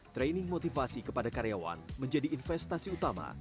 training motivasi kepada karyawan menjadi investasi utama